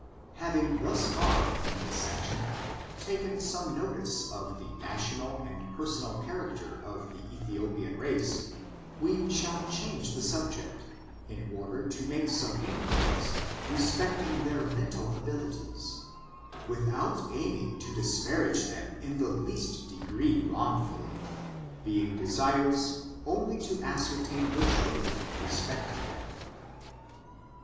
Having thus far in this section, taken some notice of the national and personal character of the Ethio pian race, we shall change the subject, in order to make some inquiries respecting their mental abilities, without aiming to disparage them in the least degree wrongfully, being desirous only to ascertain the truth respecting them.